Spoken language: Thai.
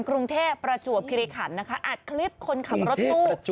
กรุงเทพประจวบคิริขันนะคะอัดคลิปคนขับรถตู้